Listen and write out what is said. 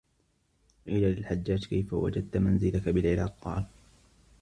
قِيلَ لِلْحَجَّاجِ كَيْفَ وَجَدْت مَنْزِلَك بِالْعِرَاقِ ؟ قَالَ